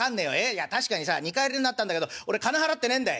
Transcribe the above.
いや確かにさ二荷入りになったんだけど俺金払ってねえんだい」。